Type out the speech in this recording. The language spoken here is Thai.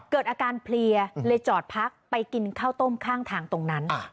เกิดอาการเพลียเลยจอดพักไปกินข้าวต้มข้างทางตรงนั้น